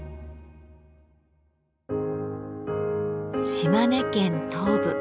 島根県東部